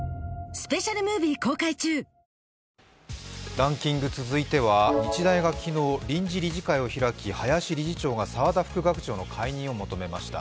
ランキング続いては日大が昨日、臨時理事会を開き、林理事長が澤田副学長の解任を求めました。